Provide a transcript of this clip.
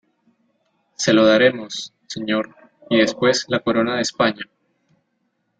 se lo daremos, señor... y después la corona de España .